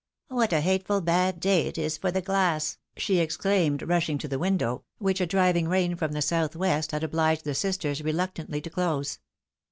" What a hateful bad day it is for the glass !" she exclauned, rushing to the window, which a driving rain from the south west had obliged the sisters reluctantly to close.